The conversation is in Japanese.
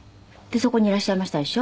そこにいらっしゃいましたでしょ。